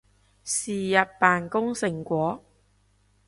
是日扮工成果